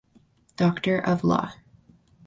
Doctor of Law.